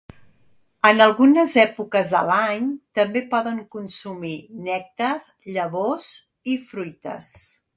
En algunes èpoques de l'any també poden consumir nèctar, llavors i fruites.